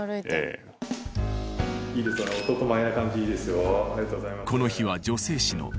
いいですね男前な感じいいですよ。